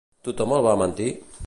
Tothom el va mentir?